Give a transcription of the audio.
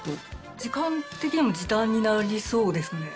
時間的にも時短になりそうですね。